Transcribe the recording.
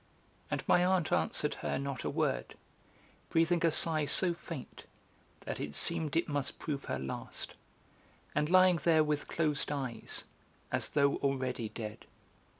And my aunt answered her not a word, breathing a sigh so faint that it seemed it must prove her last, and lying there with closed eyes, as though already dead.